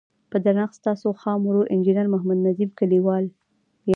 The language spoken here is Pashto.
په درنښت ستاسو خادم ورور انجنیر محمد نظیم کلیوال یم.